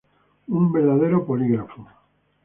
Un verdadero polígrafo.